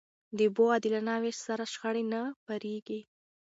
د اوبو عادلانه وېش سره، شخړې نه پارېږي.